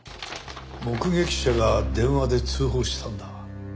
目撃者が電話で通報したんだ。